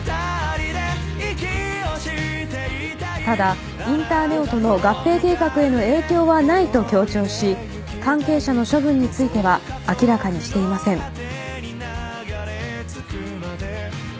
ただインターネオとの合併計画への影響はないと強調し関係者の処分については明らかにしていません。